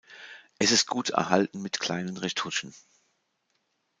Es ist gut erhalten mit kleinen Retuschen.